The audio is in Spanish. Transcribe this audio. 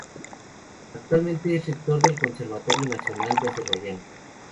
Actualmente es rector del Conservatorio Nacional de Azerbaiyán.